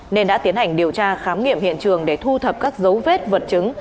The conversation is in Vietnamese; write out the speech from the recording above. nên đã tiến hành điều tra khám nghiệm hiện trường để thu thập các dấu vết vật chứng